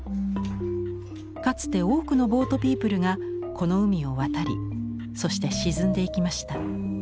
かつて多くのボートピープルがこの海を渡りそして沈んでいきました。